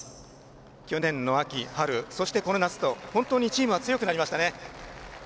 去年の秋、春、そしてこの夏と本当にチームが強くなりましたね。